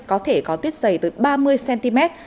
có thể có tuyết dày từ ba mươi cm